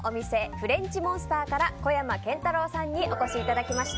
フレンチモンスターから小山健太郎さんにお越しいただきました。